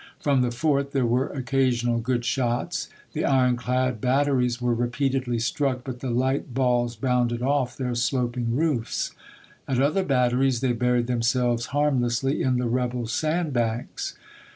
From the fort there were occasional good shots. The iron clad batteries were repeatedly struck, but the light balls bounded off their sloping roofs. At other batteries they buried themselves harmlessly in the rebel sand banks.